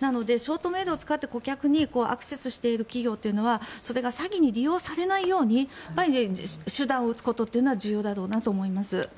なのでショートメールを使って顧客にアクセスしている企業というのはそれが詐欺に利用されないように手段を打つことは重要だろうなと思います。